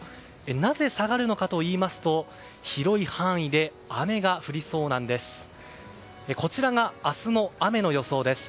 なぜ下がるのかといいますと広い範囲で雨が降りそうなんです。